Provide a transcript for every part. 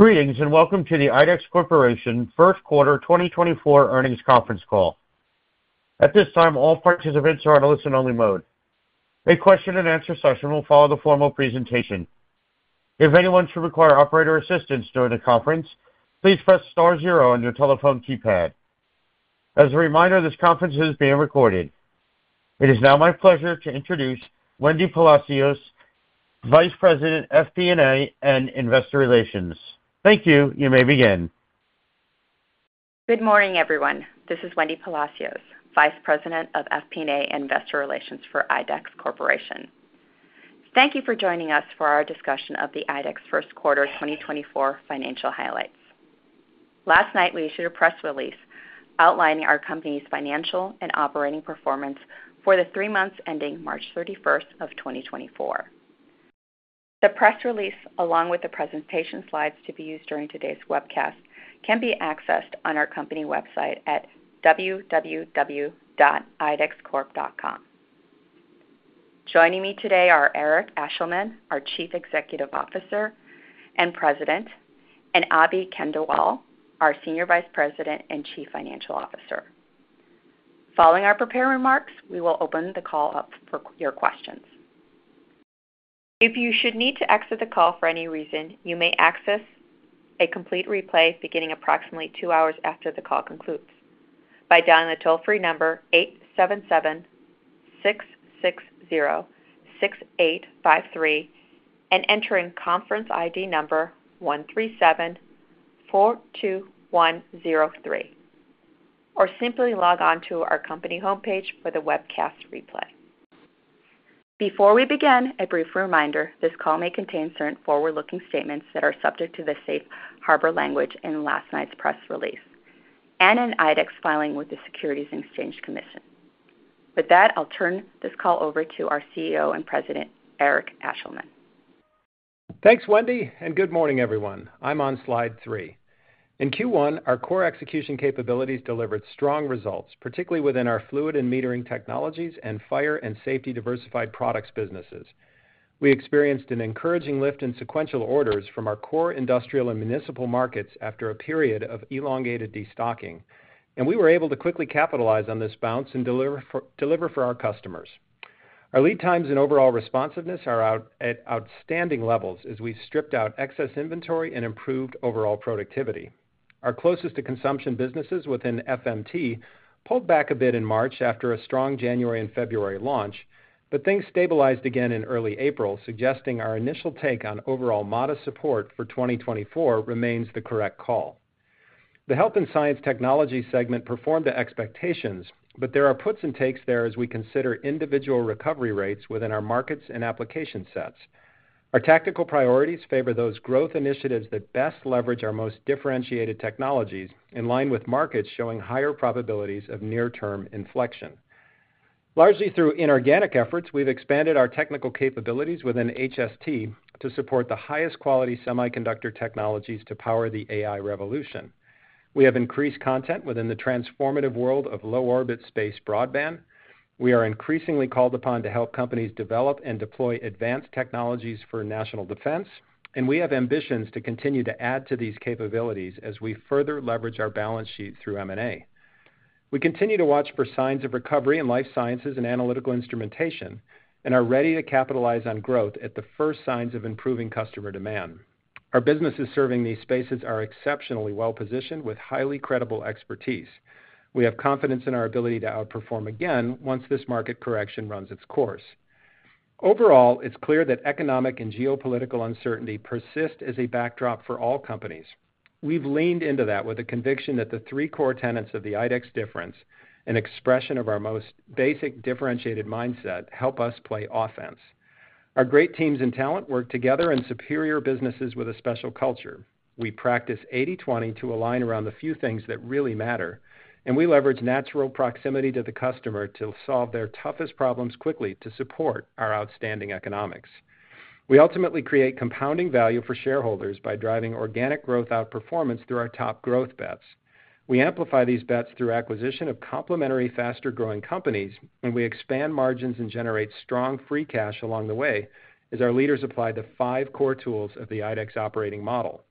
Greetings and welcome to the IDEX Corporation first quarter 2024 earnings conference call. At this time, all participants are on a listen-only mode. A question-and-answer session will follow the formal presentation. If anyone should require operator assistance during the conference, please press star zero on your telephone keypad. As a reminder, this conference is being recorded. It is now my pleasure to introduce Wendy Palacios, Vice President FP&A and Investor Relations. Thank you. You may begin. Good morning, everyone. This is Wendy Palacios, Vice President of FP&A and Investor Relations for IDEX Corporation. Thank you for joining us for our discussion of the IDEX first quarter 2024 financial highlights. Last night we issued a press release outlining our company's financial and operating performance for the three months ending March 31st of 2024. The press release, along with the presentation slides to be used during today's webcast, can be accessed on our company website at www.idexcorp.com. Joining me today are Eric Ashleman, our Chief Executive Officer and President, and Abhi Khandelwal, our Senior Vice President and Chief Financial Officer. Following our prepared remarks, we will open the call up for your questions. If you should need to exit the call for any reason, you may access a complete replay beginning approximately two hours after the call concludes by dialing the toll-free number 877-660-6853 and entering conference ID number 13742103, or simply log on to our company homepage for the webcast replay. Before we begin, a brief reminder: this call may contain certain forward-looking statements that are subject to the safe harbor language in last night's press release and in IDEX's filing with the Securities and Exchange Commission. With that, I'll turn this call over to our CEO and President, Eric Ashleman. Thanks, Wendy, and good morning, everyone. I'm on slide 3. In Q1, our core execution capabilities delivered strong results, particularly within our fluid and metering technologies and fire and safety diversified products businesses. We experienced an encouraging lift in sequential orders from our core industrial and municipal markets after a period of elongated destocking, and we were able to quickly capitalize on this bounce and deliver for our customers. Our lead times and overall responsiveness are at outstanding levels as we've stripped out excess inventory and improved overall productivity. Our closest-to-consumption businesses within FMT pulled back a bit in March after a strong January and February launch, but things stabilized again in early April, suggesting our initial take on overall modest support for 2024 remains the correct call. The Health and Science Technologies segment performed to expectations, but there are puts and takes there as we consider individual recovery rates within our markets and application sets. Our tactical priorities favor those growth initiatives that best leverage our most differentiated technologies in line with markets showing higher probabilities of near-term inflection. Largely through inorganic efforts, we've expanded our technical capabilities within HST to support the highest-quality semiconductor technologies to power the AI revolution. We have increased content within the transformative world of low-orbit space broadband. We are increasingly called upon to help companies develop and deploy advanced technologies for national defense, and we have ambitions to continue to add to these capabilities as we further leverage our balance sheet through M&A. We continue to watch for signs of recovery in life sciences and analytical instrumentation and are ready to capitalize on growth at the first signs of improving customer demand. Our businesses serving these spaces are exceptionally well-positioned with highly credible expertise. We have confidence in our ability to outperform again once this market correction runs its course. Overall, it's clear that economic and geopolitical uncertainty persists as a backdrop for all companies. We've leaned into that with a conviction that the 3 core tenets of the IDEX difference, an expression of our most basic differentiated mindset, help us play offense. Our great teams and talent work together in superior businesses with a special culture. We practice 80/20 to align around the few things that really matter, and we leverage natural proximity to the customer to solve their toughest problems quickly to support our outstanding economics. We ultimately create compounding value for shareholders by driving organic growth outperformance through our top growth bets. We amplify these bets through acquisition of complementary, faster-growing companies, and we expand margins and generate strong free cash along the way as our leaders apply the five core tools of the IDEX operating model.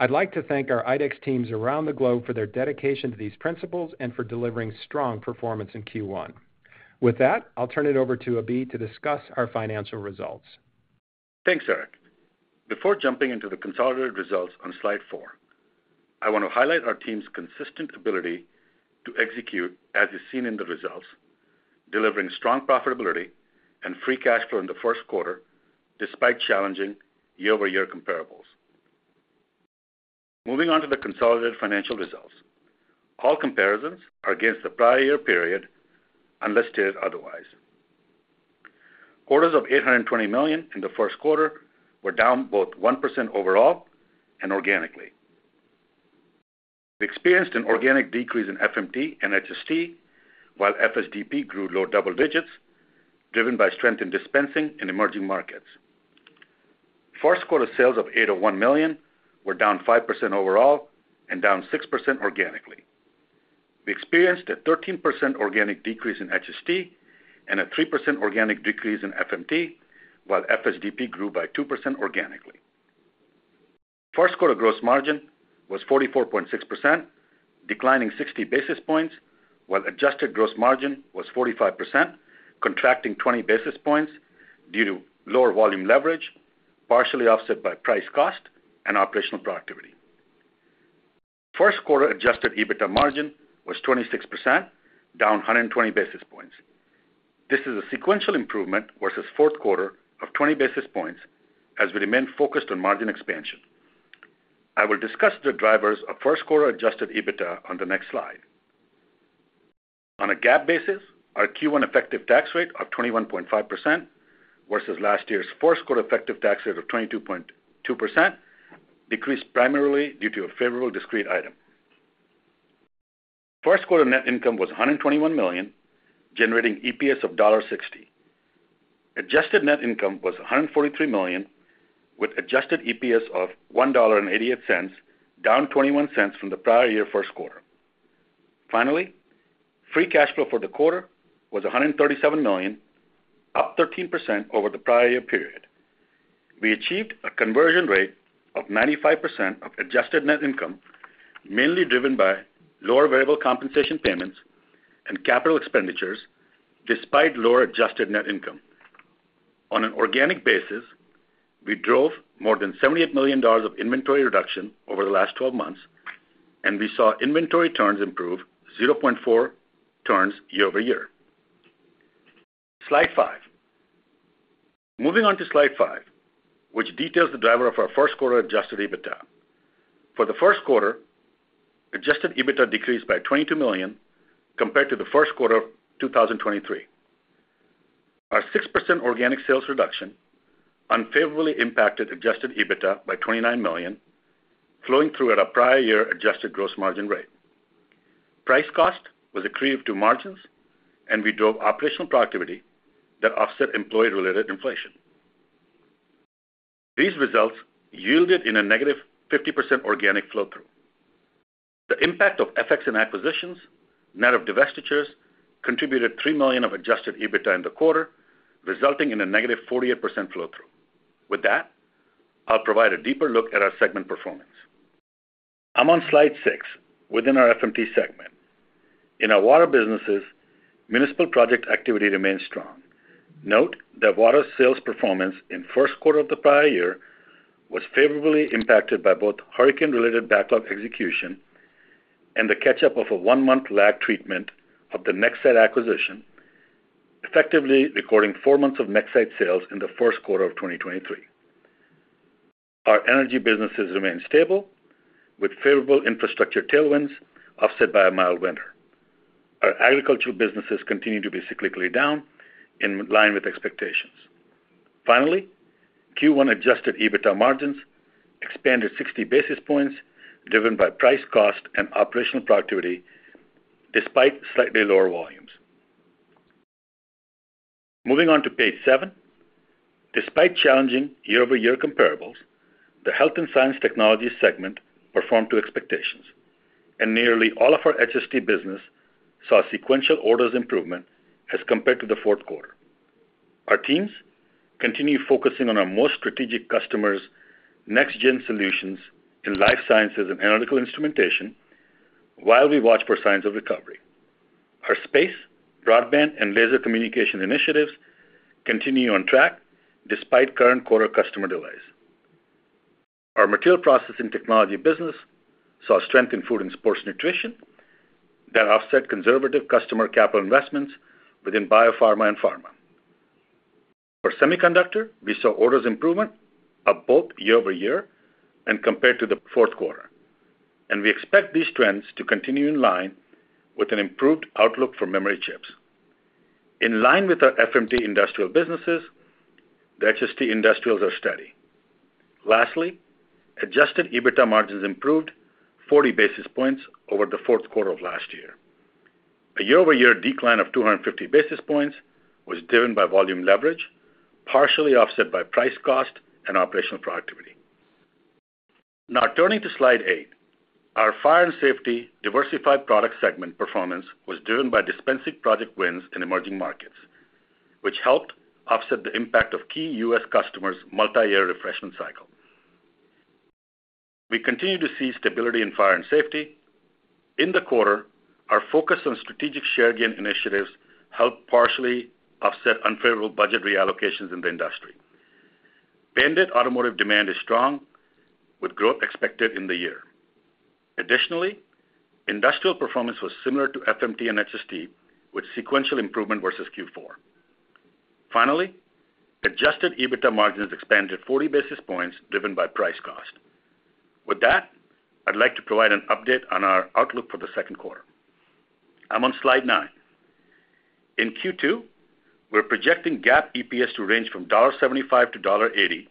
I'd like to thank our IDEX teams around the globe for their dedication to these principles and for delivering strong performance in Q1. With that, I'll turn it over to Abhi to discuss our financial results. Thanks, Eric. Before jumping into the consolidated results on slide four, I want to highlight our team's consistent ability to execute, as is seen in the results, delivering strong profitability and free cash flow in the first quarter despite challenging year-over-year comparables. Moving on to the consolidated financial results, all comparisons are against the prior year period unless noted otherwise. Quarter sales of $820 million in the first quarter were down both 1% overall and organically. We experienced an organic decrease in FMT and HST while FSDP grew low double digits, driven by strength in dispensing in emerging markets. First quarter sales of $801 million were down 5% overall and down 6% organically. We experienced a 13% organic decrease in HST and a 3% organic decrease in FMT while FSDP grew by 2% organically. First quarter gross margin was 44.6%, declining 60 basis points, while adjusted gross margin was 45%, contracting 20 basis points due to lower volume leverage, partially offset by price cost and operational productivity. First quarter adjusted EBITDA margin was 26%, down 120 basis points. This is a sequential improvement versus fourth quarter of 20 basis points as we remain focused on margin expansion. I will discuss the drivers of first quarter adjusted EBITDA on the next slide. On a GAAP basis, our Q1 effective tax rate of 21.5% versus last year's fourth quarter effective tax rate of 22.2% decreased primarily due to a favorable discrete item. First quarter net income was $121 million, generating EPS of $1.60. Adjusted net income was $143 million, with adjusted EPS of $1.88, down $0.21 from the prior year first quarter. Finally, free cash flow for the quarter was $137 million, up 13% over the prior year period. We achieved a conversion rate of 95% of adjusted net income, mainly driven by lower variable compensation payments and capital expenditures despite lower adjusted net income. On an organic basis, we drove more than $78 million of inventory reduction over the last 12 months, and we saw inventory turns improve 0.4 turns year-over-year. Slide 5. Moving on to slide 5, which details the driver of our first quarter adjusted EBITDA. For the first quarter, adjusted EBITDA decreased by $22 million compared to the first quarter of 2023. Our 6% organic sales reduction unfavorably impacted adjusted EBITDA by $29 million, flowing through at a prior year adjusted gross margin rate. Price cost was accrued to margins, and we drove operational productivity that offset employee-related inflation. These results yielded a negative 50% organic flow-through. The impact of FX and acquisitions, net of divestitures, contributed $3 million of Adjusted EBITDA in the quarter, resulting in a negative 48% flow-through. With that, I'll provide a deeper look at our segment performance. I'm on slide 6 within our FMT segment. In our water businesses, municipal project activity remains strong. Note that water sales performance in the first quarter of the prior year was favorably impacted by both hurricane-related backlog execution and the catch-up of a 1-month lagged treatment of the Nexsight acquisition, effectively recording 4 months of Nexsight sales in the first quarter of 2023. Our energy businesses remain stable, with favorable infrastructure tailwinds offset by a mild winter. Our agricultural businesses continue to be cyclically down in line with expectations. Finally, Q1 adjusted EBITDA margins expanded 60 basis points, driven by price cost and operational productivity despite slightly lower volumes. Moving on to page 7. Despite challenging year-over-year comparables, the Health and Science Technologies segment performed to expectations, and nearly all of our HST business saw sequential orders improvement as compared to the fourth quarter. Our teams continue focusing on our most strategic customers' next-gen solutions in life sciences and analytical instrumentation while we watch for signs of recovery. Our space, broadband, and laser communication initiatives continue on track despite current quarter customer delays. Our material processing technology business saw strength in food and sports nutrition that offset conservative customer capital investments within biopharma and pharma. For semiconductor, we saw orders improvement up both year-over-year and compared to the fourth quarter, and we expect these trends to continue in line with an improved outlook for memory chips. In line with our FMT industrial businesses, the HST industrials are steady. Lastly, Adjusted EBITDA margins improved 40 basis points over the fourth quarter of last year. A year-over-year decline of 250 basis points was driven by volume leverage, partially offset by price cost and operational productivity. Now, turning to slide 8. Our fire and safety diversified product segment performance was driven by dispensing project wins in emerging markets, which helped offset the impact of key U.S. customers' multi-year replacement cycle. We continue to see stability in fire and safety. In the quarter, our focus on strategic share gain initiatives helped partially offset unfavorable budget reallocations in the industry. BAND-IT automotive demand is strong, with growth expected in the year. Additionally, industrial performance was similar to FMT and HST, with sequential improvement versus Q4. Finally, Adjusted EBITDA margins expanded 40 basis points, driven by price cost. With that, I'd like to provide an update on our outlook for the second quarter. I'm on slide nine. In Q2, we're projecting GAAP EPS to range from $1.75-$1.80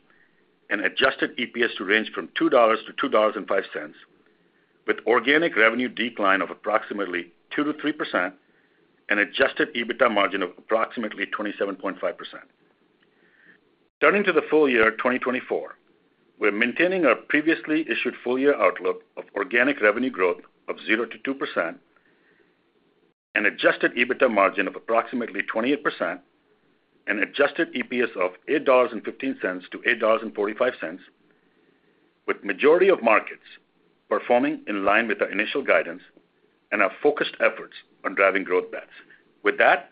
and adjusted EPS to range from $2-$2.05, with organic revenue decline of approximately 2%-3% and adjusted EBITDA margin of approximately 27.5%. Turning to the full year 2024, we're maintaining our previously issued full year outlook of organic revenue growth of 0%-2%, an adjusted EBITDA margin of approximately 28%, and adjusted EPS of $8.15-$8.45, with the majority of markets performing in line with our initial guidance and our focused efforts on driving growth bets. With that,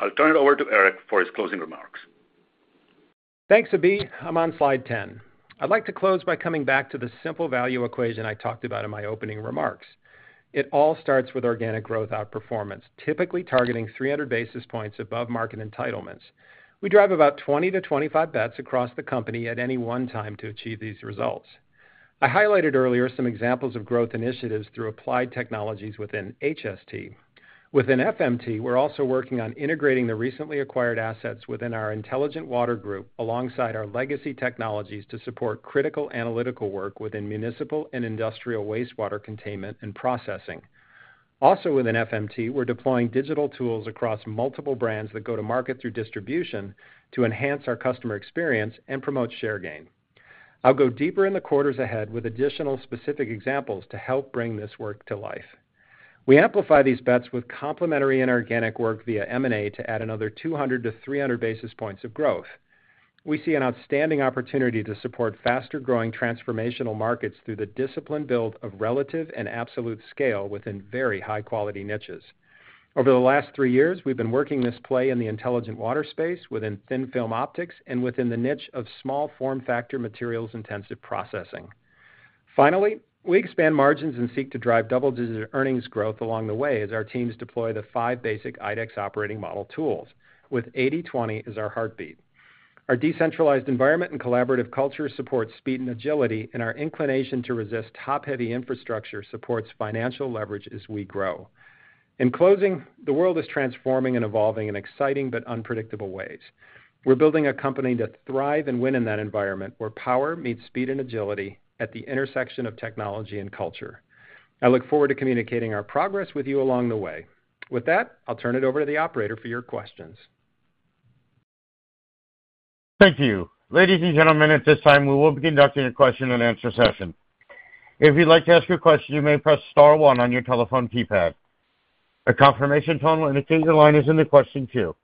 I'll turn it over to Eric for his closing remarks. Thanks, Abhi. I'm on slide 10. I'd like to close by coming back to the simple value equation I talked about in my opening remarks. It all starts with organic growth outperformance, typically targeting 300 basis points above market entitlements. We drive about 20-25 bets across the company at any one time to achieve these results. I highlighted earlier some examples of growth initiatives through applied technologies within HST. Within FMT, we're also working on integrating the recently acquired assets within our intelligent water group alongside our legacy technologies to support critical analytical work within municipal and industrial wastewater containment and processing. Also, within FMT, we're deploying digital tools across multiple brands that go to market through distribution to enhance our customer experience and promote share gain. I'll go deeper in the quarters ahead with additional specific examples to help bring this work to life. We amplify these bets with complementary inorganic work via M&A to add another 200-300 basis points of growth. We see an outstanding opportunity to support faster-growing transformational markets through the discipline build of relative and absolute scale within very high-quality niches. Over the last three years, we've been working this play in the intelligent water space within thin-film optics and within the niche of small form factor materials-intensive processing. Finally, we expand margins and seek to drive double-digit earnings growth along the way as our teams deploy the 5 basic IDEX operating model tools, with 80/20 as our heartbeat. Our decentralized environment and collaborative culture support speed and agility, and our inclination to resist top-heavy infrastructure supports financial leverage as we grow. In closing, the world is transforming and evolving in exciting but unpredictable ways. We're building a company to thrive and win in that environment where power meets speed and agility at the intersection of technology and culture. I look forward to communicating our progress with you along the way. With that, I'll turn it over to the operator for your questions. Thank you. Ladies and gentlemen, at this time, we will begin our question and answer session. If you'd like to ask your question, you may press star one on your telephone keypad. A confirmation tone will indicate your line is in the question queue.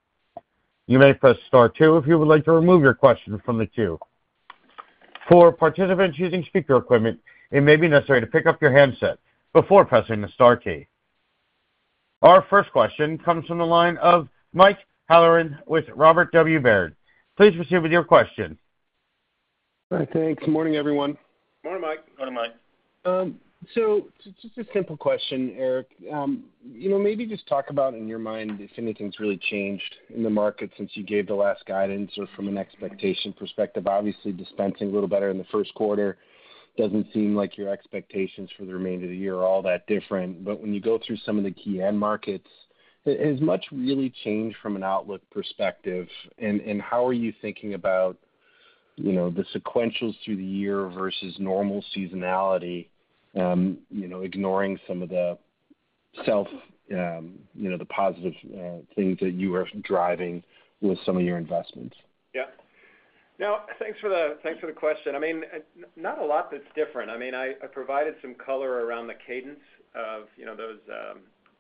You may press star two if you would like to remove your question from the queue. For participants using speaker equipment, it may be necessary to pick up your handset before pressing the star key. Our first question comes from the line of Mike Halloran with Robert W. Baird. Please proceed with your question. All right. Thanks. Morning, everyone. Morning, Mike. Morning, Mike. So just a simple question, Eric. Maybe just talk about, in your mind, if anything's really changed in the market since you gave the last guidance or from an expectation perspective? Obviously, dispensing a little better in the first quarter doesn't seem like your expectations for the remainder of the year are all that different. But when you go through some of the key end markets, has much really changed from an outlook perspective? And how are you thinking about the sequentials through the year versus normal seasonality, ignoring some of the positive things that you are driving with some of your investments? Yeah. Now, thanks for the question. I mean, not a lot that's different. I mean, I provided some color around the cadence of those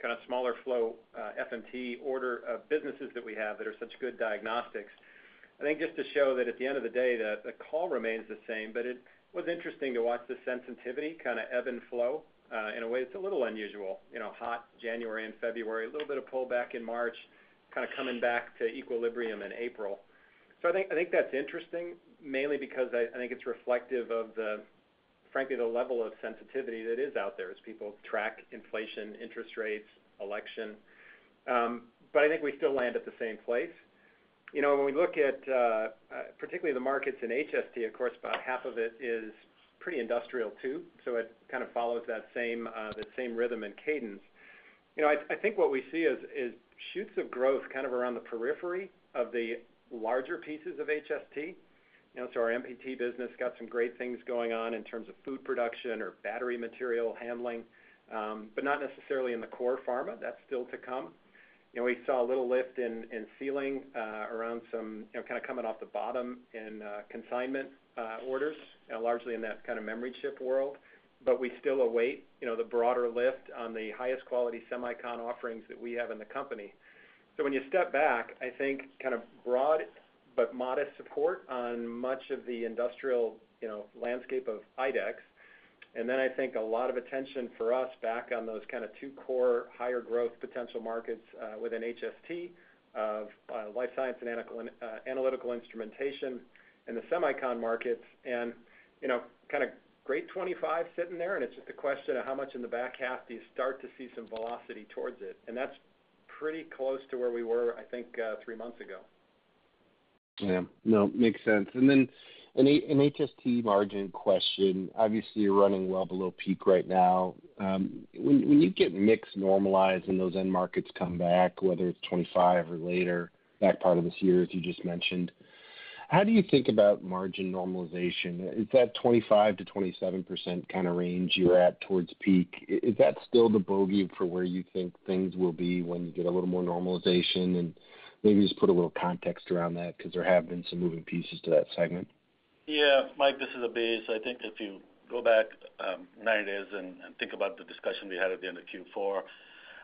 kind of smaller flow FMT order businesses that we have that are such good diagnostics. I think just to show that at the end of the day, the call remains the same. But it was interesting to watch the sensitivity kind of ebb and flow in a way that's a little unusual. Hot January and February, a little bit of pullback in March, kind of coming back to equilibrium in April. So I think that's interesting, mainly because I think it's reflective of, frankly, the level of sensitivity that is out there as people track inflation, interest rates, election. But I think we still land at the same place. When we look at particularly the markets in HST, of course, about half of it is pretty industrial too. So it kind of follows that same rhythm and cadence. I think what we see is shoots of growth kind of around the periphery of the larger pieces of HST. So our MPT business got some great things going on in terms of food production or battery material handling, but not necessarily in the core pharma. That's still to come. We saw a little lift in sealing around some kind of coming off the bottom in consignment orders, largely in that kind of memory chip world. But we still await the broader lift on the highest quality semicon offerings that we have in the company. So when you step back, I think kind of broad but modest support on much of the industrial landscape of IDEX. Then I think a lot of attention for us back on those kind of two core higher growth potential markets within HST of life science and analytical instrumentation and the semicon markets. Kind of Q2 2025 sitting there, and it's just a question of how much in the back half do you start to see some velocity towards it. That's pretty close to where we were, I think, three months ago. Yeah. No, makes sense. And then an HST margin question. Obviously, you're running well below peak right now. When you get mixed normalized and those end markets come back, whether it's 2025 or later, back part of this year as you just mentioned, how do you think about margin normalization? Is that 25%-27% kind of range you're at towards peak? Is that still the bogey for where you think things will be when you get a little more normalization? And maybe just put a little context around that because there have been some moving pieces to that segment. Yeah. Mike, this is a base. I think if you go back nine days and think about the discussion we had at the end of Q4,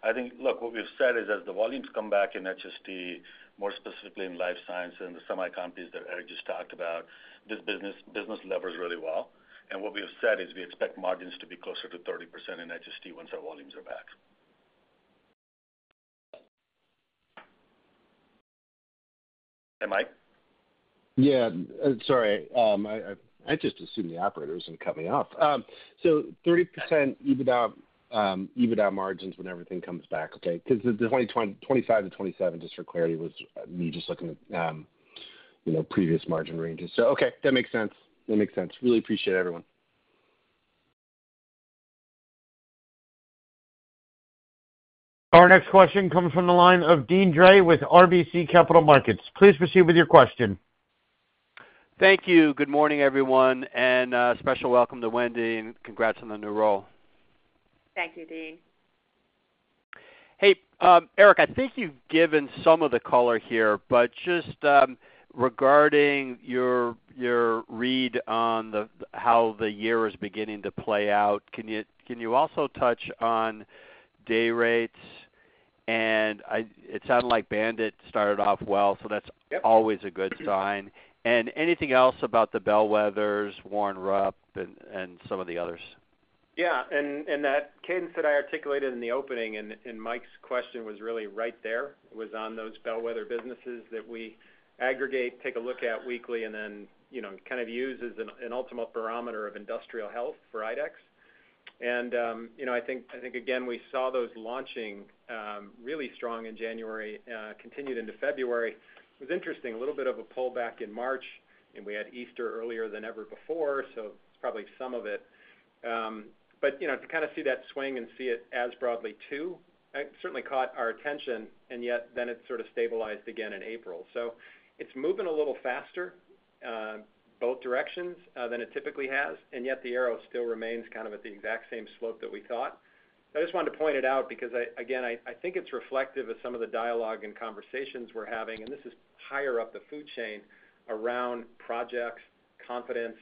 I think, look, what we've said is as the volumes come back in HST, more specifically in life science and the semicon piece that Eric just talked about, this business levers really well. And what we have said is we expect margins to be closer to 30% in HST once our volumes are back. Hey, Mike? Yeah. Sorry. I just assumed the operator wasn't coming off. So 30% EBITDA margins when everything comes back, okay? Because the 25%-27%, just for clarity, was me just looking at previous margin ranges. So okay, that makes sense. That makes sense. Really appreciate it, everyone. Our next question comes from the line of Deane Dray with RBC Capital Markets. Please proceed with your question. Thank you. Good morning, everyone. Special welcome to Wendy and congrats on the new role. Thank you, Dean. Hey, Eric, I think you've given some of the color here. But just regarding your read on how the year is beginning to play out, can you also touch on day rates? And it sounded like Bandit started off well, so that's always a good sign. And anything else about the bellwethers, Warren Rupp, and some of the others? Yeah. And that cadence that I articulated in the opening and Mike's question was really right there. It was on those bellwether businesses that we aggregate, take a look at weekly, and then kind of use as an ultimate barometer of industrial health for IDEX. And I think, again, we saw those launching really strong in January, continued into February. It was interesting. A little bit of a pullback in March, and we had Easter earlier than ever before, so probably some of it. But to kind of see that swing and see it as broadly too certainly caught our attention, and yet then it sort of stabilized again in April. So it's moving a little faster both directions than it typically has, and yet the arrow still remains kind of at the exact same slope that we thought. I just wanted to point it out because, again, I think it's reflective of some of the dialogue and conversations we're having. This is higher up the food chain around projects, confidence,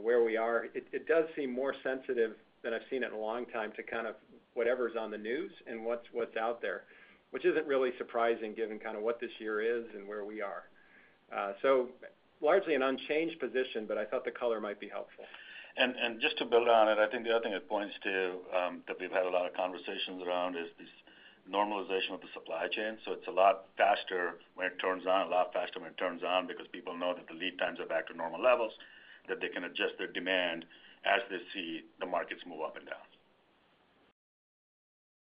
where we are. It does seem more sensitive than I've seen it in a long time to kind of whatever's on the news and what's out there, which isn't really surprising given kind of what this year is and where we are. Largely an unchanged position, but I thought the color might be helpful. Just to build on it, I think the other thing it points to that we've had a lot of conversations around is this normalization of the supply chain. So it's a lot faster when it turns on, a lot faster when it turns on because people know that the lead times are back to normal levels, that they can adjust their demand as they see the markets move up and down.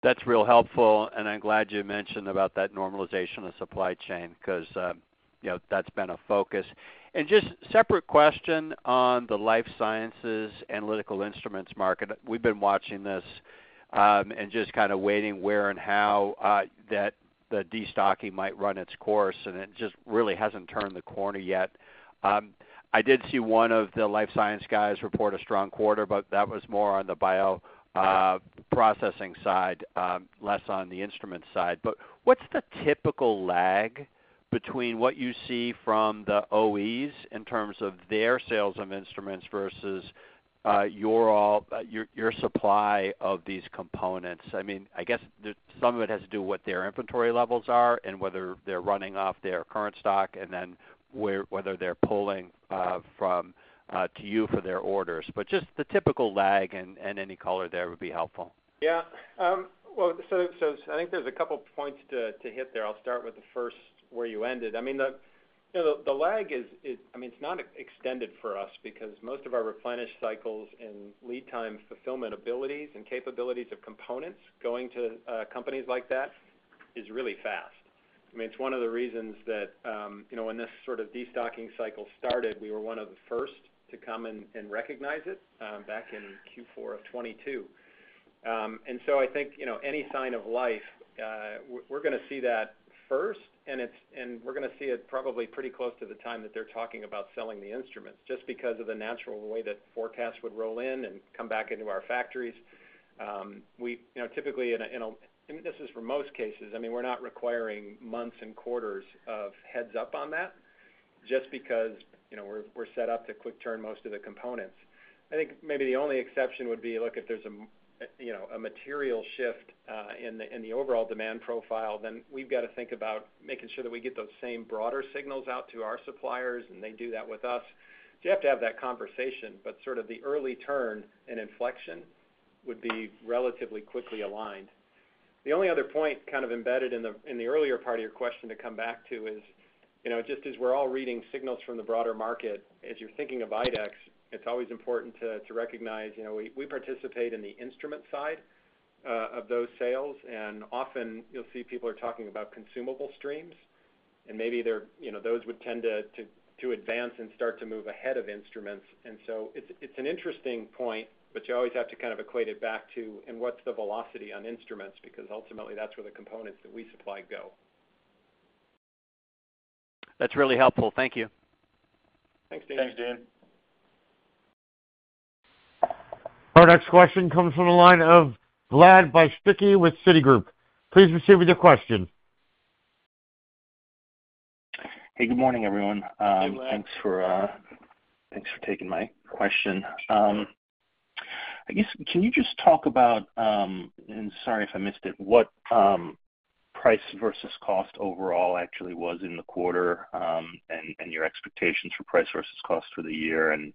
That's real helpful. I'm glad you mentioned about that normalization of supply chain because that's been a focus. Just a separate question on the life sciences analytical instruments market. We've been watching this and just kind of waiting where and how the destocking might run its course, and it just really hasn't turned the corner yet. I did see one of the life science guys report a strong quarter, but that was more on the bio-processing side, less on the instrument side. What's the typical lag between what you see from the OEs in terms of their sales of instruments versus your supply of these components? I mean, I guess some of it has to do with what their inventory levels are and whether they're running off their current stock and then whether they're pulling from to you for their orders. But just the typical lag and any color there would be helpful. Yeah. Well, so I think there's a couple of points to hit there. I'll start with the first, where you ended. I mean, the lag is I mean, it's not extended for us because most of our replenish cycles and lead time fulfillment abilities and capabilities of components going to companies like that is really fast. I mean, it's one of the reasons that when this sort of destocking cycle started, we were one of the first to come and recognize it back in Q4 of 2022. And so I think any sign of life, we're going to see that first, and we're going to see it probably pretty close to the time that they're talking about selling the instruments just because of the natural way that forecasts would roll in and come back into our factories. Typically, in a and this is for most cases. I mean, we're not requiring months and quarters of heads-up on that just because we're set up to quick-turn most of the components. I think maybe the only exception would be, look, if there's a material shift in the overall demand profile, then we've got to think about making sure that we get those same broader signals out to our suppliers, and they do that with us. So you have to have that conversation, but sort of the early turn and inflection would be relatively quickly aligned. The only other point kind of embedded in the earlier part of your question to come back to is just as we're all reading signals from the broader market, as you're thinking of IDEX, it's always important to recognize we participate in the instrument side of those sales. And often, you'll see people are talking about consumable streams, and maybe those would tend to advance and start to move ahead of instruments. And so it's an interesting point, but you always have to kind of equate it back to, and what's the velocity on instruments? Because ultimately, that's where the components that we supply go. That's really helpful. Thank you. Thanks, Dean. Thanks, Dean. Our next question comes from the line of Vlad Bystricky with Citigroup. Please proceed with your question. Hey, good morning, everyone. Thanks for taking my question. I guess, can you just talk about and sorry if I missed it. What price versus cost overall actually was in the quarter and your expectations for price versus cost for the year and what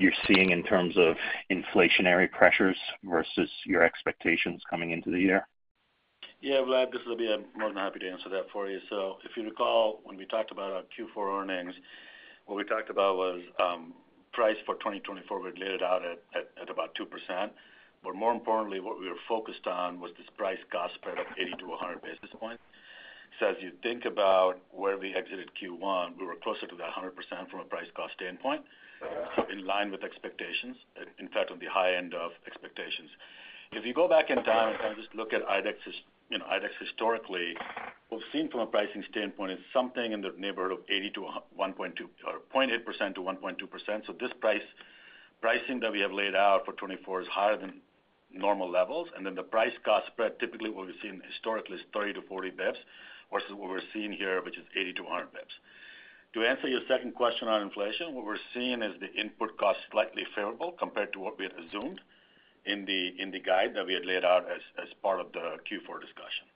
you're seeing in terms of inflationary pressures versus your expectations coming into the year? Yeah, Vlad, I'll be more than happy to answer that for you. So if you recall when we talked about our Q4 earnings, what we talked about was price for 2024, we had laid it out at about 2%. But more importantly, what we were focused on was this price-cost spread of 80-100 basis points. So as you think about where we exited Q1, we were closer to that 100% from a price-cost standpoint, so in line with expectations, in fact, on the high end of expectations. If you go back in time and kind of just look at IDEX historically, what we've seen from a pricing standpoint is something in the neighborhood of 0.8%-1.2%. So this pricing that we have laid out for 2024 is higher than normal levels. Then the price-cost spread, typically, what we've seen historically is 30-40 basis points versus what we're seeing here, which is 80-100 basis points. To answer your second question on inflation, what we're seeing is the input cost slightly favorable compared to what we had assumed in the guide that we had laid out as part of the Q4 discussion.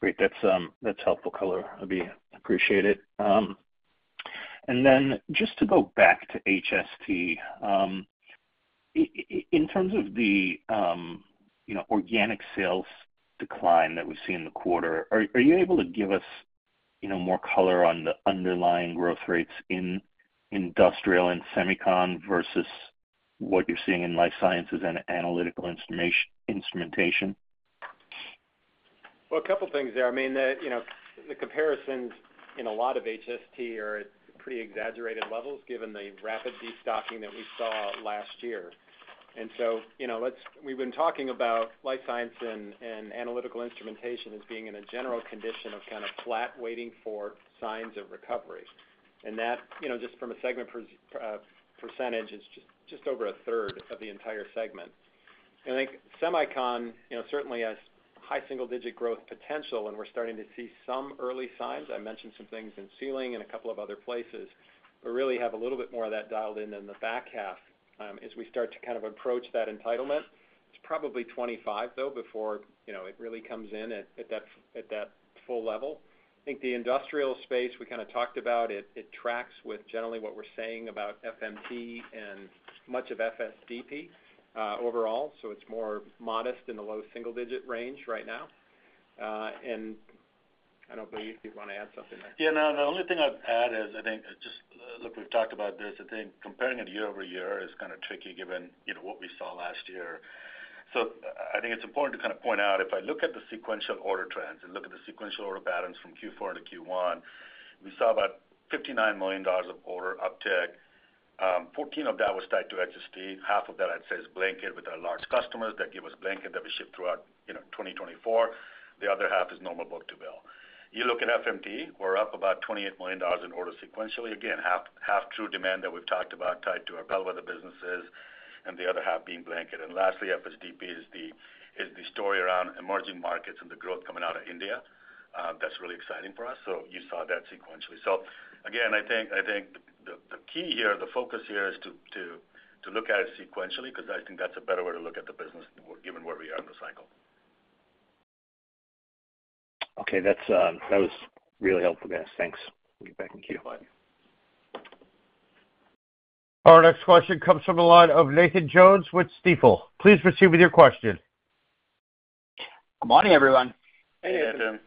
Great. That's helpful color. I appreciate it. And then just to go back to HST, in terms of the organic sales decline that we've seen in the quarter, are you able to give us more color on the underlying growth rates in industrial and semicon versus what you're seeing in life sciences and analytical instrumentation? Well, a couple of things there. I mean, the comparisons in a lot of HST are at pretty exaggerated levels given the rapid destocking that we saw last year. So we've been talking about life science and analytical instrumentation as being in a general condition of kind of flat waiting for signs of recovery. And that, just from a segment percentage, is just over a third of the entire segment. And I think semicon certainly has high single-digit growth potential, and we're starting to see some early signs. I mentioned some things in silicon and a couple of other places, but really have a little bit more of that dialed in in the back half. As we start to kind of approach that entitlement, it's probably 2025, though, before it really comes in at that full level. I think the industrial space we kind of talked about, it tracks with generally what we're saying about FMT and much of FSDP overall. So it's more modest in the low single-digit range right now. And I don't know if you want to add something there. Yeah. No, the only thing I'd add is I think just look, we've talked about this. I think comparing it year-over-year is kind of tricky given what we saw last year. So I think it's important to kind of point out if I look at the sequential order trends and look at the sequential order patterns from Q4 to Q1, we saw about $59 million of order uptick. 14 of that was tied to HST. Half of that, I'd say, is blanket with our large customers that give us blanket that we ship throughout 2024. The other half is normal book-to-bill. You look at FMT, we're up about $28 million in order sequentially. Again, half true demand that we've talked about tied to our bellwether businesses and the other half being blanket. Lastly, FSDP is the story around emerging markets and the growth coming out of India. That's really exciting for us. So you saw that sequentially. So again, I think the key here, the focus here is to look at it sequentially because I think that's a better way to look at the business given where we are in the cycle. Okay. That was really helpful, guys. Thanks. We'll get back in Q. Bye. Our next question comes from the line of Nathan Jones with Stifel. Please proceed with your question. Good morning, everyone. Hey, Nathan.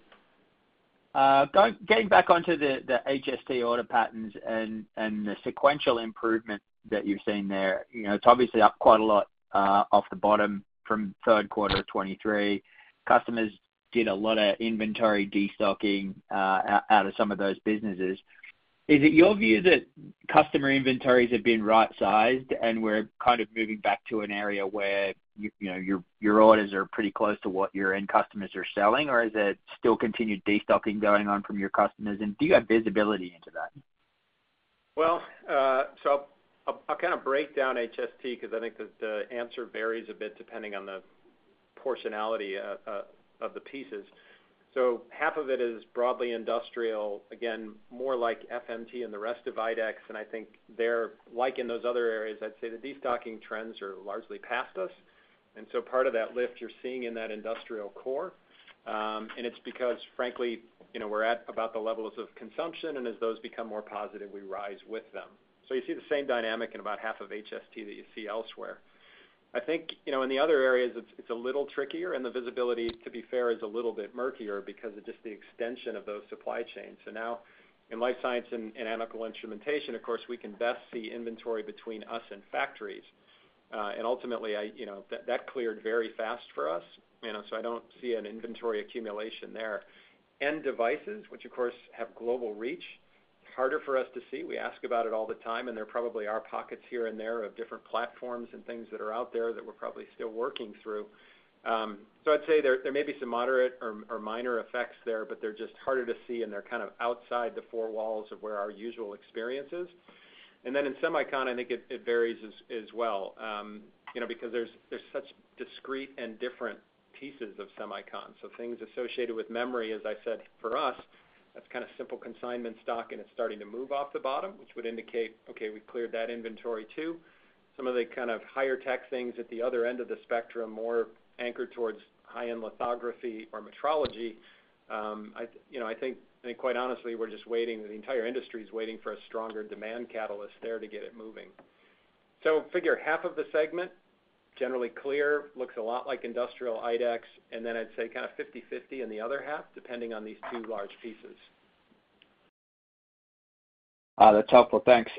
Hey, Tim. Getting back onto the HST order patterns and the sequential improvement that you've seen there, it's obviously up quite a lot off the bottom from third quarter of 2023. Customers did a lot of inventory destocking out of some of those businesses. Is it your view that customer inventories have been right-sized and we're kind of moving back to an area where your orders are pretty close to what your end customers are selling, or is there still continued destocking going on from your customers? And do you have visibility into that? Well, so I'll kind of break down HST because I think the answer varies a bit depending on the proportionality of the pieces. So half of it is broadly industrial, again, more like FMT and the rest of IDEX. And I think there, like in those other areas, I'd say the destocking trends are largely past us. And so part of that lift you're seeing in that industrial core, and it's because, frankly, we're at about the levels of consumption, and as those become more positive, we rise with them. So you see the same dynamic in about half of HST that you see elsewhere. I think in the other areas, it's a little trickier, and the visibility, to be fair, is a little bit murkier because of just the extension of those supply chains. So now, in life science and analytical instrumentation, of course, we can best see inventory between us and factories. And ultimately, that cleared very fast for us, so I don't see an inventory accumulation there. End devices, which, of course, have global reach, it's harder for us to see. We ask about it all the time, and there probably are pockets here and there of different platforms and things that are out there that we're probably still working through. So I'd say there may be some moderate or minor effects there, but they're just harder to see, and they're kind of outside the four walls of where our usual experience is. And then in semicon, I think it varies as well because there's such discrete and different pieces of semicon. So things associated with memory, as I said, for us, that's kind of simple consignment stock, and it's starting to move off the bottom, which would indicate, "Okay, we cleared that inventory too." Some of the kind of higher-tech things at the other end of the spectrum, more anchored towards high-end lithography or metrology, I think quite honestly, we're just waiting, the entire industry is waiting for a stronger demand catalyst there to get it moving. So figure half of the segment, generally clear, looks a lot like industrial IDEX, and then I'd say kind of 50/50 in the other half depending on these two large pieces. That's helpful. Thanks.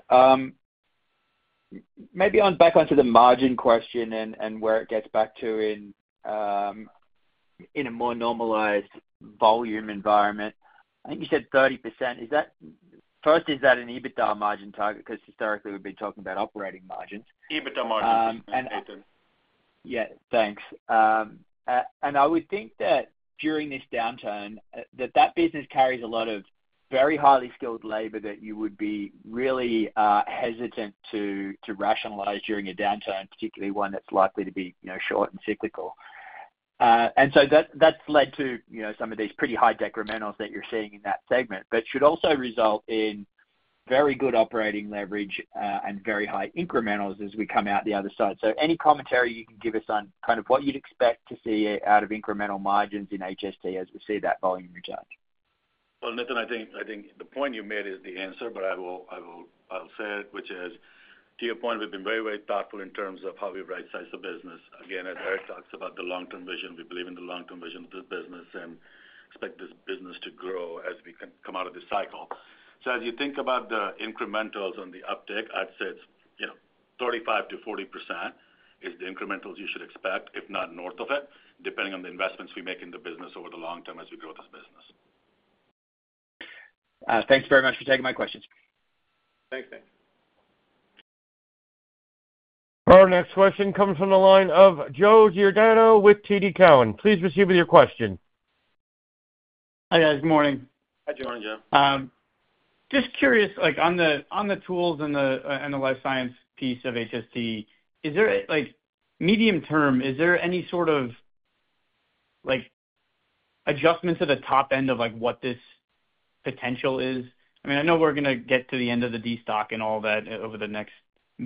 Maybe back onto the margin question and where it gets back to in a more normalized volume environment. I think you said 30%. First, is that an EBITDA margin target because historically, we've been talking about operating margins? EBITDA margins, Nathan. Yeah. Thanks. I would think that during this downturn, that that business carries a lot of very highly skilled labor that you would be really hesitant to rationalize during a downturn, particularly one that's likely to be short and cyclical. So that's led to some of these pretty high decrementals that you're seeing in that segment but should also result in very good operating leverage and very high incrementals as we come out the other side. Any commentary you can give us on kind of what you'd expect to see out of incremental margins in HST as we see that volume return? Well, Nathan, I think the point you made is the answer, but I will say it, which is, to your point, we've been very, very thoughtful in terms of how we've right-sized the business. Again, as Eric talks about the long-term vision, we believe in the long-term vision of this business and expect this business to grow as we come out of this cycle. So as you think about the incrementals on the uptick, I'd say it's 35%-40% is the incrementals you should expect, if not north of it, depending on the investments we make in the business over the long term as we grow this business. Thanks very much for taking my questions. Thanks, Nathan. Our next question comes from the line of Joe Giordano with TD Cowen. Please proceed with your question. Hi, guys. Good morning. Hi, Joe. Good morning, Joe. Just curious, on the tools and the life science piece of HST, medium term, is there any sort of adjustment to the top end of what this potential is? I mean, I know we're going to get to the end of the destock and all that over the next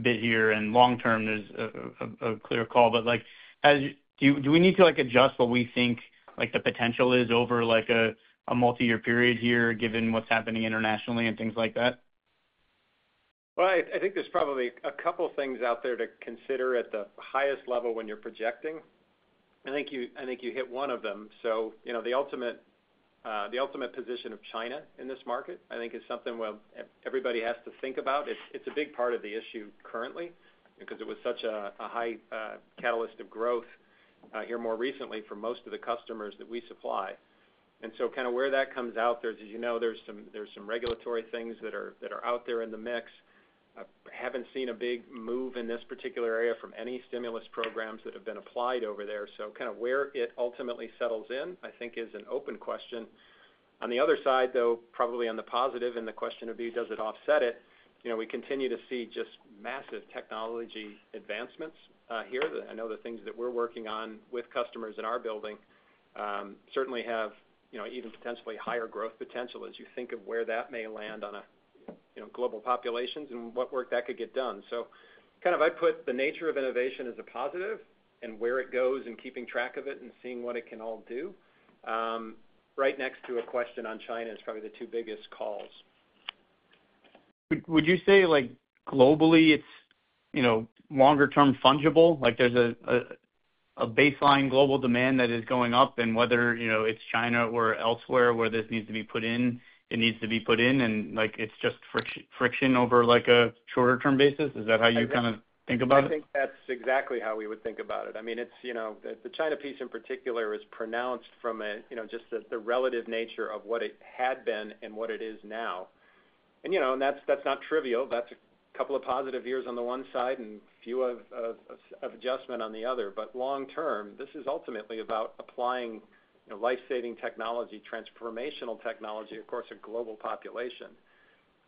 bit here, and long term, there's a clear call. But do we need to adjust what we think the potential is over a multi-year period here given what's happening internationally and things like that? Well, I think there's probably a couple of things out there to consider at the highest level when you're projecting. I think you hit one of them. So the ultimate position of China in this market, I think, is something where everybody has to think about. It's a big part of the issue currently because it was such a high catalyst of growth here more recently for most of the customers that we supply. And so kind of where that comes out there, as you know, there's some regulatory things that are out there in the mix. I haven't seen a big move in this particular area from any stimulus programs that have been applied over there. So kind of where it ultimately settles in, I think, is an open question. On the other side, though, probably on the positive and the question of, "Does it offset it?" we continue to see just massive technology advancements here. I know the things that we're working on with customers in our building certainly have even potentially higher growth potential as you think of where that may land on global populations and what work that could get done. So kind of I'd put the nature of innovation as a positive and where it goes and keeping track of it and seeing what it can all do. Right next to a question on China, it's probably the two biggest calls. Would you say globally, it's longer-term fungible? There's a baseline global demand that is going up, and whether it's China or elsewhere where this needs to be put in, it needs to be put in, and it's just friction over a shorter-term basis? Is that how you kind of think about it? I think that's exactly how we would think about it. I mean, the China piece in particular is pronounced from just the relative nature of what it had been and what it is now. And that's not trivial. That's a couple of positive years on the one side and a few of adjustment on the other. But long term, this is ultimately about applying life-saving technology, transformational technology, across a global population.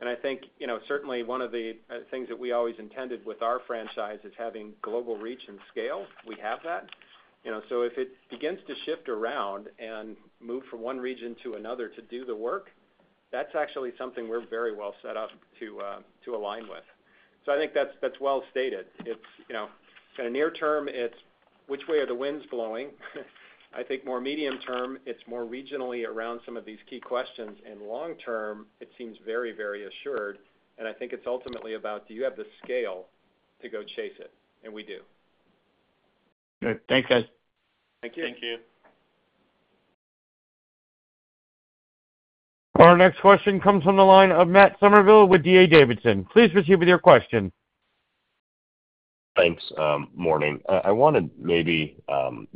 And I think certainly one of the things that we always intended with our franchise is having global reach and scale. We have that. So if it begins to shift around and move from one region to another to do the work, that's actually something we're very well set up to align with. So I think that's well-stated. Kind of near term, it's which way are the winds blowing? I think more medium term, it's more regionally around some of these key questions. Long term, it seems very, very assured. I think it's ultimately about, "Do you have the scale to go chase it?" And we do. Good. Thanks, guys. Thank you. Thank you. Our next question comes from the line of Matt Somerville with D.A. Davidson. Please proceed with your question. Thanks. Morning. I wanted maybe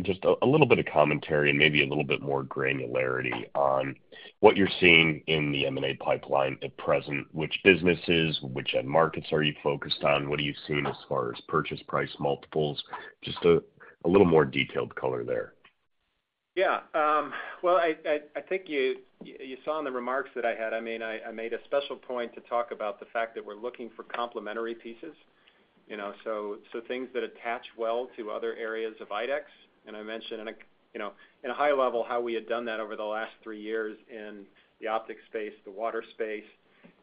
just a little bit of commentary and maybe a little bit more granularity on what you're seeing in the M&A pipeline at present, which businesses, which end markets are you focused on? What are you seeing as far as purchase price multiples? Just a little more detailed color there. Yeah. Well, I think you saw in the remarks that I had. I mean, I made a special point to talk about the fact that we're looking for complementary pieces, so things that attach well to other areas of IDEX. And I mentioned in a high level how we had done that over the last three years in the optic space, the water space.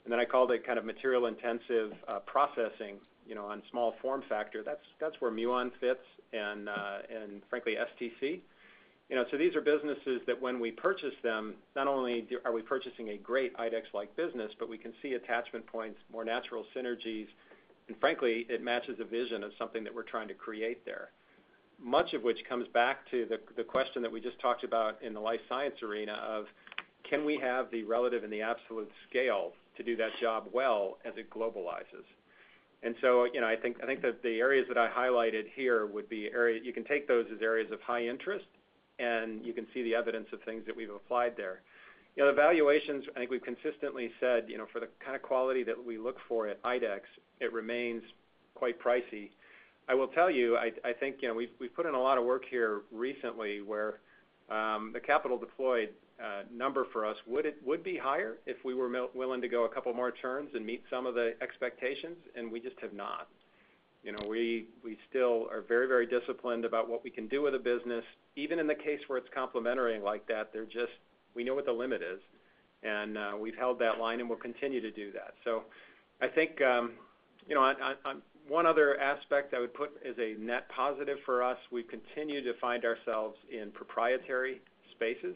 And then I called it kind of material-intensive processing on small form factor. That's where Muon fits and, frankly, STC. So these are businesses that when we purchase them, not only are we purchasing a great IDEX-like business, but we can see attachment points, more natural synergies, and frankly, it matches a vision of something that we're trying to create there, much of which comes back to the question that we just talked about in the life science arena of, "Can we have the relative and the absolute scale to do that job well as it globalizes?" And so I think that the areas that I highlighted here would be you can take those as areas of high interest, and you can see the evidence of things that we've applied there. The valuations, I think we've consistently said for the kind of quality that we look for at IDEX, it remains quite pricey. I will tell you, I think we've put in a lot of work here recently where the capital deployed number for us would be higher if we were willing to go a couple more turns and meet some of the expectations, and we just have not. We still are very, very disciplined about what we can do with a business. Even in the case where it's complementary like that, we know what the limit is, and we've held that line, and we'll continue to do that. So I think one other aspect I would put as a net positive for us, we continue to find ourselves in proprietary spaces,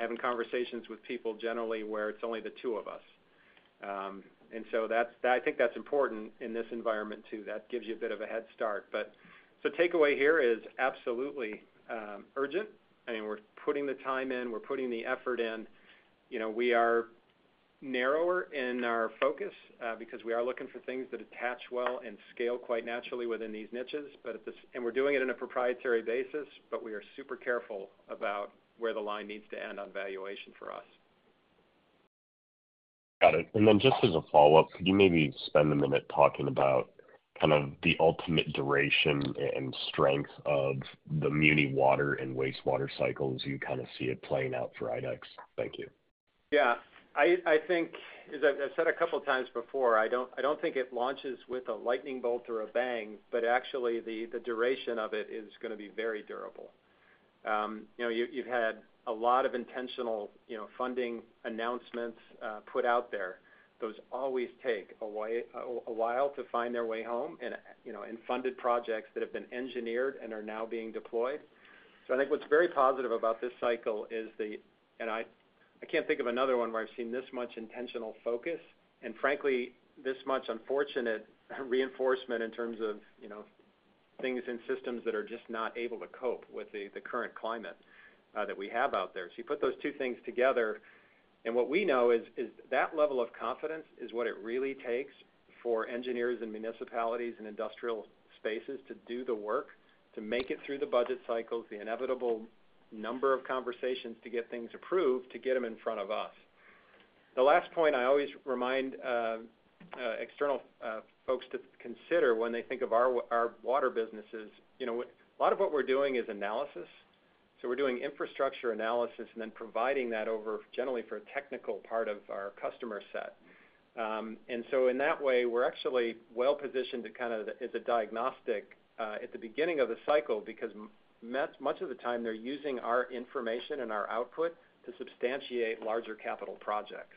having conversations with people generally where it's only the two of us. And so I think that's important in this environment too. That gives you a bit of a head start. So takeaway here is absolutely urgent. I mean, we're putting the time in. We're putting the effort in. We are narrower in our focus because we are looking for things that attach well and scale quite naturally within these niches. We're doing it in a proprietary basis, but we are super careful about where the line needs to end on valuation for us. Got it. And then just as a follow-up, could you maybe spend a minute talking about kind of the ultimate duration and strength of the muni water and wastewater cycles you kind of see it playing out for IDEX? Thank you. Yeah. I think, as I've said a couple of times before, I don't think it launches with a lightning bolt or a bang, but actually, the duration of it is going to be very durable. You've had a lot of intentional funding announcements put out there. Those always take a while to find their way home in funded projects that have been engineered and are now being deployed. So I think what's very positive about this cycle is the and I can't think of another one where I've seen this much intentional focus and, frankly, this much unfortunate reinforcement in terms of things and systems that are just not able to cope with the current climate that we have out there. So you put those two things together, and what we know is that level of confidence is what it really takes for engineers and municipalities and industrial spaces to do the work, to make it through the budget cycles, the inevitable number of conversations to get things approved, to get them in front of us. The last point, I always remind external folks to consider when they think of our water businesses, a lot of what we're doing is analysis. So we're doing infrastructure analysis and then providing that over generally for a technical part of our customer set. And so in that way, we're actually well-positioned to kind of as a diagnostic at the beginning of the cycle because much of the time, they're using our information and our output to substantiate larger capital projects.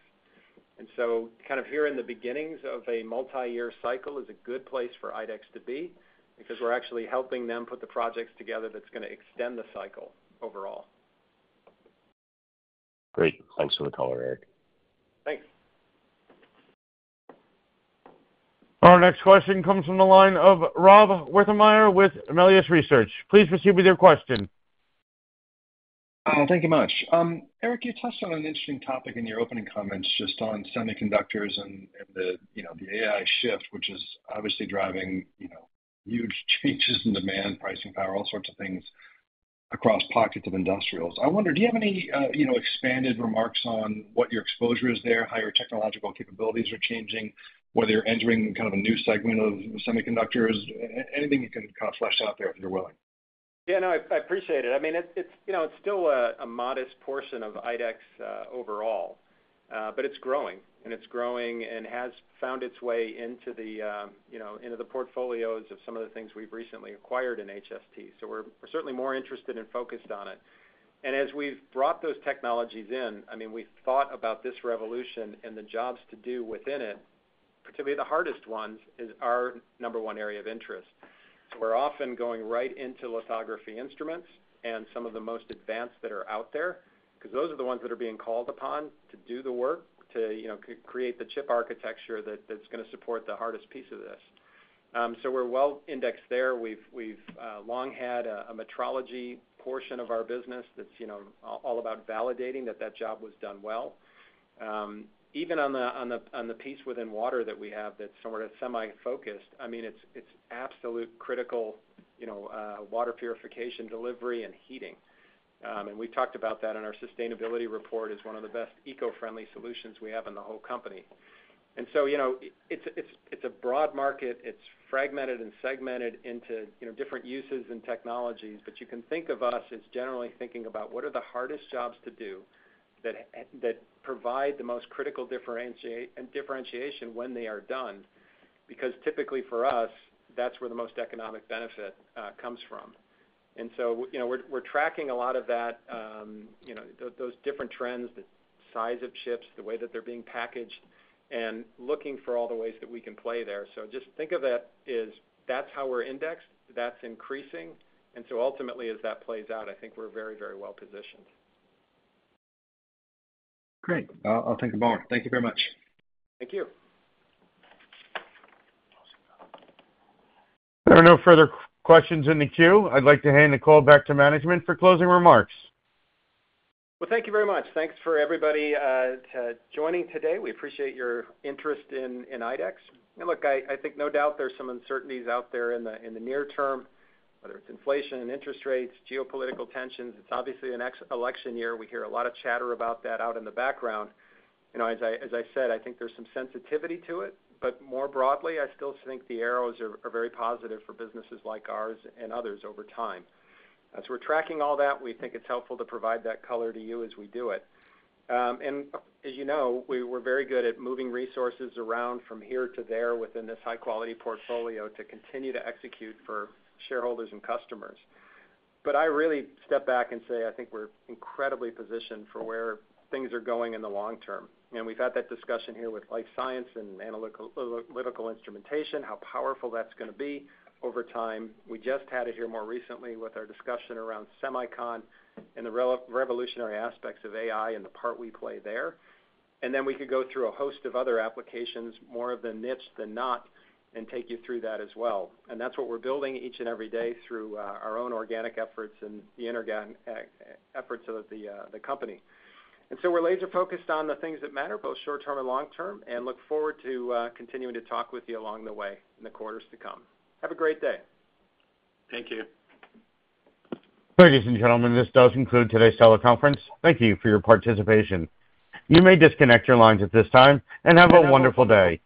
And so kind of here in the beginnings of a multi-year cycle is a good place for IDEX to be because we're actually helping them put the projects together that's going to extend the cycle overall. Great. Thanks for the call, Eric. Thanks. Our next question comes from the line of Rob Wertheimer with Melius Research. Please proceed with your question. Thank you much. Eric, you touched on an interesting topic in your opening comments just on semiconductors and the AI shift, which is obviously driving huge changes in demand, pricing power, all sorts of things across pockets of industrials. I wonder, do you have any expanded remarks on what your exposure is there, how your technological capabilities are changing, whether you're entering kind of a new segment of semiconductors? Anything you can kind of flesh out there if you're willing? Yeah. No, I appreciate it. I mean, it's still a modest portion of IDEX overall, but it's growing, and it's growing and has found its way into the portfolios of some of the things we've recently acquired in HST. So we're certainly more interested and focused on it. And as we've brought those technologies in, I mean, we've thought about this revolution and the jobs to do within it, particularly the hardest ones, is our number one area of interest. So we're often going right into lithography instruments and some of the most advanced that are out there because those are the ones that are being called upon to do the work, to create the chip architecture that's going to support the hardest piece of this. So we're well-indexed there. We've long had a metrology portion of our business that's all about validating that that job was done well. Even on the piece within water that we have that's somewhat Semi-focused, I mean, it's absolutely critical water purification, delivery, and heating. We've talked about that in our sustainability report as one of the best eco-friendly solutions we have in the whole company. So it's a broad market. It's fragmented and segmented into different uses and technologies, but you can think of us as generally thinking about what are the hardest jobs to do that provide the most critical differentiation when they are done because typically, for us, that's where the most economic benefit comes from. We're tracking a lot of that, those different trends, the size of chips, the way that they're being packaged, and looking for all the ways that we can play there. Just think of that as that's how we're indexed. That's increasing. And so ultimately, as that plays out, I think we're very, very well-positioned. Great. I'll think of more. Thank you very much. Thank you. There are no further questions in the queue. I'd like to hand the call back to management for closing remarks. Well, thank you very much. Thanks for everybody joining today. We appreciate your interest in IDEX. And look, I think no doubt there's some uncertainties out there in the near term, whether it's inflation and interest rates, geopolitical tensions. It's obviously an election year. We hear a lot of chatter about that out in the background. As I said, I think there's some sensitivity to it. But more broadly, I still think the arrows are very positive for businesses like ours and others over time. As we're tracking all that, we think it's helpful to provide that color to you as we do it. And as you know, we were very good at moving resources around from here to there within this high-quality portfolio to continue to execute for shareholders and customers. But I really step back and say I think we're incredibly positioned for where things are going in the long term. And we've had that discussion here with life science and analytical instrumentation, how powerful that's going to be over time. We just had it here more recently with our discussion around Semicon and the revolutionary aspects of AI and the part we play there. And then we could go through a host of other applications, more of the niche than not, and take you through that as well. And that's what we're building each and every day through our own organic efforts and the inorganic efforts of the company. And so we're laser-focused on the things that matter, both short-term and long-term, and look forward to continuing to talk with you along the way in the quarters to come. Have a great day. Thank you. Ladies and gentlemen, this does conclude today's teleconference. Thank you for your participation. You may disconnect your lines at this time and have a wonderful day.